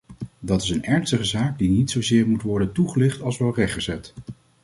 Dat is een ernstige zaak die niet zozeer moet worden toegelicht als wel rechtgezet.